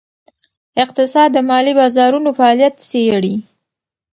اقتصاد د مالي بازارونو فعالیت څیړي.